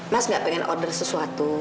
mas gak pengen order sesuatu